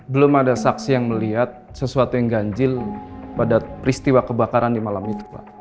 belum ada saksi yang melihat sesuatu yang ganjil pada peristiwa kebakaran di malam itu pak